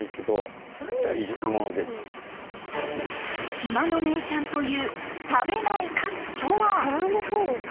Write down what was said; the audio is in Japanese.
島の名産という食べないカキとは？